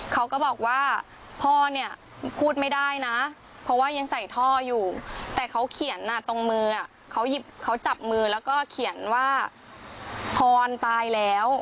เขาก็บอกว่าพ่อเนี่ยพูดไม่ได้นะเพราะว่ายังใส่ท่ออยู่แต่เขาเขียนตรงมือเขาหยิบเขาจับมือแล้วก็เขียนว่าพรตายแล้ว